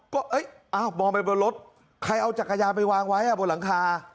ก็มองไปบนรถใครเอาจักรยานไปวางไว้บนหลังคา